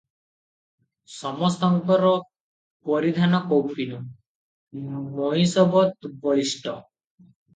ସମସ୍ତଙ୍କର ପରିଧାନ କୌପୀନ, ମହିଷବତ୍ ବଳିଷ୍ଠ ।